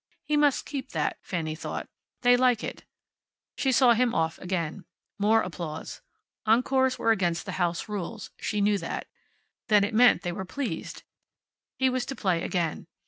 He must keep that, Fanny thought. They like it. She saw him off again. More applause. Encores were against the house rules. She knew that. Then it meant they were pleased. He was to play again.